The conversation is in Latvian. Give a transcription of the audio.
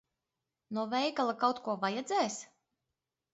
No veikala kaut ko vajadzēs?